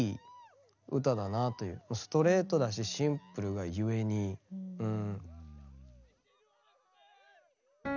ストレートだしシンプルがゆえにうん。